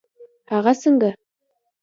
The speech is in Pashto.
هغه څنګه؟